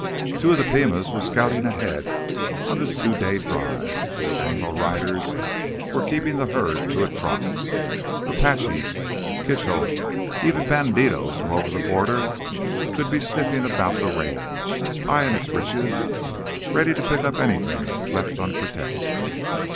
Two of the Pimas were scouting ahead on this two day drive, and the Anglo riders were keeping the herd to a trot. Apaches, Kitchell, even bandidos from over the border, could be sniffing about the Range, eyeing its riches, ready to pick up anything left unprotected.